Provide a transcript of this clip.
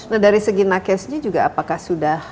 nah dari segi nakesnya juga apakah sudah